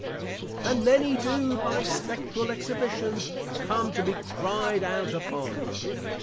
_ And many do by Spectral Exhibitions come to be cry'd out upon.